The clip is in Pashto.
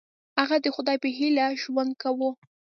هغه د خدای په هیله ژوند کاوه.